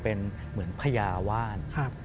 เป็นเหมือนพญาว่าน